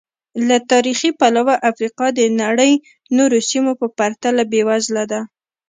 له تاریخي پلوه افریقا د نړۍ نورو سیمو په پرتله بېوزله ده.